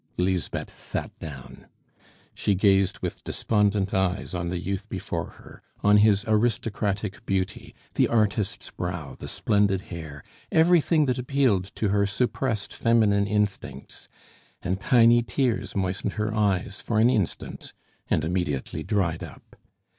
Lisbeth sat down. She gazed with despondent eyes on the youth before her, on his aristocratic beauty the artist's brow, the splendid hair, everything that appealed to her suppressed feminine instincts, and tiny tears moistened her eyes for an instant and immediately dried up.